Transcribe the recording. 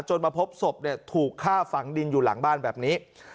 มาพบศพถูกฆ่าฝังดินอยู่หลังบ้านแบบนี้